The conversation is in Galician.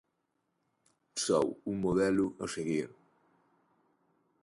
Son un modelo a seguir.